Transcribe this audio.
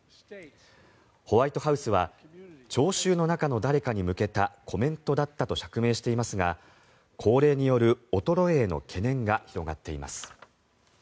ホワイトハウスは聴衆の中の誰かに向けたコメントだったと釈明していますが高齢による衰えへの懸念が広がっています。